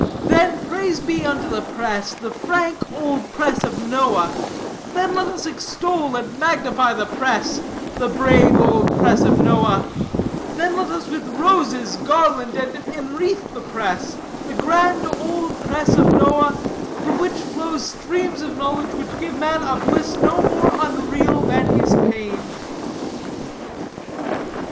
Then praise be unto the press, the frank old press of Noah; then let us extol and magnify the press, the brave old press of Noah; then let us with roses garland and enwreath the press, the grand old press of Noah, from which flow streams of knowledge which give man a bliss no more unreal than his pain.'"